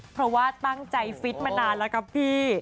เพราะว่าตั้งใจฟิตมานานแล้วครับพี่